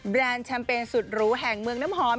แรนด์แชมเปญสุดหรูแห่งเมืองน้ำหอม